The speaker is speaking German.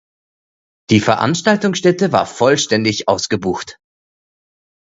Die Veranstaltungsstätte war vollständig ausgebucht.